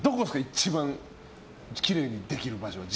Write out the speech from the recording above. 一番きれいにできる場所。